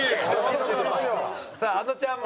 さああのちゃんも。